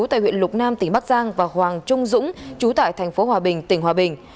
tại huyện lục nam tỉnh bắc giang và hoàng trung dũng chú tại thành phố hòa bình tỉnh hòa bình